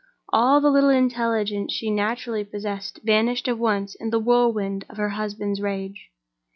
All the little intelligence she naturally possessed vanished at once in the whirlwind of her husband's rage.